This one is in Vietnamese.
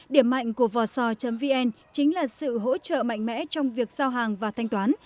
điểm mạnh của vòsò vn chính là sự hỗ trợ mạnh mẽ trong việc giao hàng và thanh toán